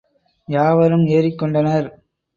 யாவரும் ஏறிக் கொண்டனர்.